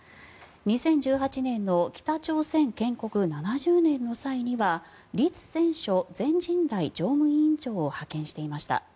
２０１８年の北朝鮮建国７０年の際にはリツ・センショ全人代常務委員長を派遣していました。